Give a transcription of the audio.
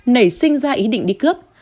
nảy sinh ra ý định đi cướp